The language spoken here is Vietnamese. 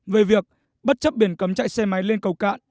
về việc bất chấp biển cấm chạy xe máy lên cầu cạn